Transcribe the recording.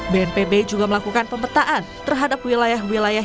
bnpb juga melakukan pemetaan terhadap wilayah wilayah